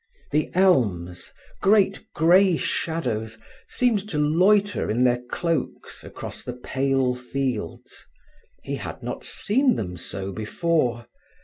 The elms, great grey shadows, seemed to loiter in their cloaks across the pale fields. He had not seen them so before.